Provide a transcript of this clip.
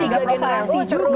tiga generasi juga